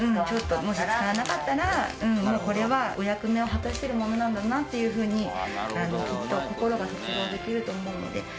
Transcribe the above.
ちょっともし使わなかったらもうこれはお役目を果たしてるものなんだなっていう風にきっと心が卒業できると思うので。